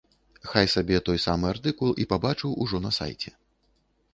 Хай сабе той самы артыкул і пабачыў ужо на сайце.